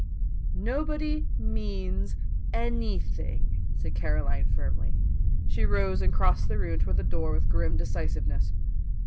"Nobody means anything," said Caroline firmly. She rose and crossed the room toward the door with grim decisiveness.